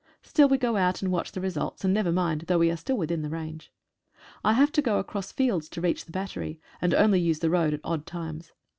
Still we go out and watch the results, and never mind, though we are still within the range. I have to go across fields to reach the battery, and only use the road at odd times.